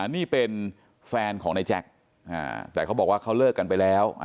นี่เป็นแฟนของนายแจ็คแต่เขาบอกว่าเขาเลิกกันไปแล้ว